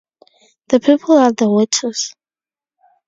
The people are the waters.